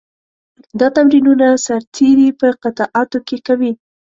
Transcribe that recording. دا تمرینونه سرتېري په قطعاتو کې کوي.